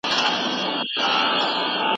ایا دا ټولې هڅې به ګټه ولري؟